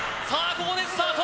ここでスタート